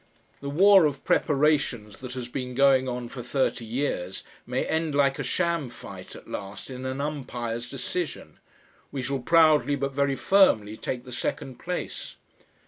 The war of preparations that has been going on for thirty years may end like a sham fight at last in an umpire's decision. We shall proudly but very firmly take the second place.